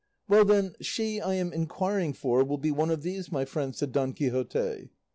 "Well, then, she I am inquiring for will be one of these, my friend," said Don Quixote.